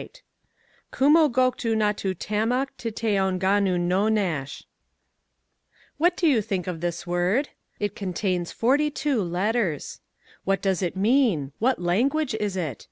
"_ KUMMOGOKDONATTOOTTAMMOCTITEAONGANNUNNONASH What do you think of this word? It contains forty two letters. What does it mean? What language is it?